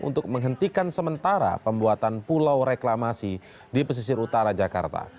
untuk menghentikan sementara pembuatan pulau reklamasi di pesisir utara jakarta